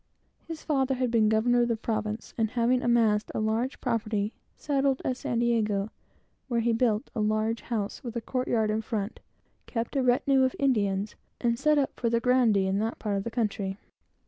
His father had been governor of the province, and having amassed a large property, settled at San Diego, where he built a large house with a court yard in front, kept a great retinue of Indians, and set up for the grandee of that part of the country.